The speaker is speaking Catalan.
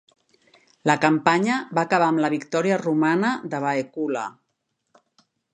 La campanya va acabar amb la victòria romana de Baecula.